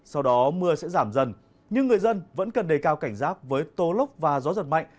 sau đó mưa sẽ giảm dần nhưng người dân vẫn cần đề cao cảnh giác với tô lốc và gió giật mạnh